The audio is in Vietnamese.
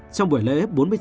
trong buổi lễ bốn mươi chín